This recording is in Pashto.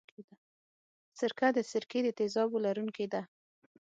سرکه د سرکې د تیزابو لرونکې ده.